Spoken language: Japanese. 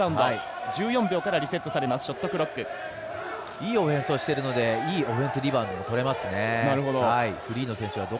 いいオフェンスをしていますのでいいオフェンスリバウンドがとれますね。